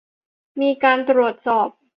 มีการตรวจสอบ